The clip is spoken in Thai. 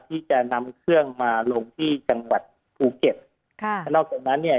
ที่จะนำเครื่องมาลงที่จังหวัดภูเก็ตค่ะแล้วนอกจากนั้นเนี่ย